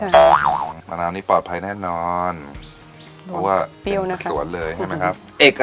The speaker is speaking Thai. มะนาวนี้ปลอดภัยแน่นอนเพราะว่าเปรี้ยวนะคะสวนเลยใช่ไหมครับ